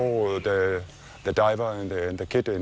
เราไม่ได้เห็นที่นี่